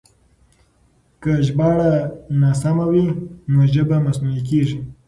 که ژباړه ناسمه وي نو ژبه مصنوعي کېږي.